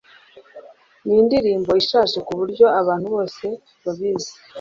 Nindirimbo ishaje kuburyo abantu bose babizi